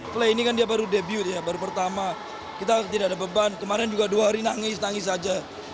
play ini kan dia baru debute ya baru pertama kita tidak ada beban kemarin juga dua hari nangis nangis saja